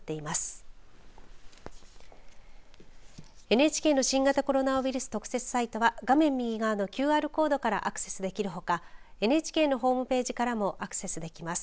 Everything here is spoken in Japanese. ＮＨＫの新型コロナウイルス特設サイトは画面右側のＱＲコードからアクセスできるほかＮＨＫのホームページからもアクセスできます。